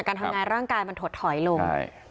การทำงานร่างกายมันถดถอยลง